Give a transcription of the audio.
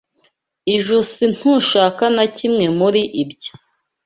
I jusntushaka na kimwe muri ibyo.